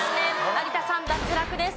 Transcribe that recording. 有田さん脱落です。